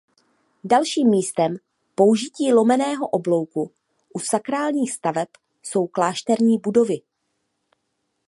Dalším místem použití lomeného oblouku u sakrálních staveb jsou klášterní budovy.